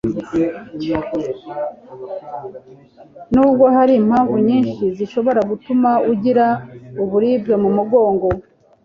Nubwo hari impamvu nyinshi zishobora gutuma ugira uburibwe mu mugongo